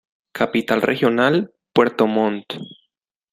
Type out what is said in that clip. Capital Regional: Puerto Montt.